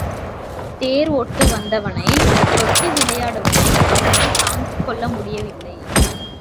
தேர் ஒட்ட வந்தவனைத் தொட்டு விளையாடுவதை அவனால் தாங்கிக்கொள்ள முடியவில்லை.